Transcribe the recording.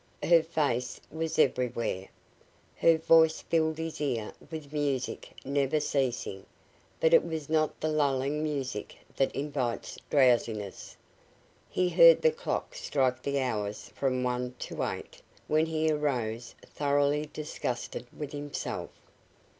Her face was everywhere. Her voice filled his ear with music never ceasing, but it was not the lulling music that invites drowsiness. He heard the clock strike the hours from one to eight, when he arose, thoroughly disgusted with himself.